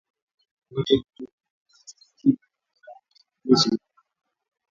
wote kutoka kikosi cha sitini na tano cha jeshi la Rwanda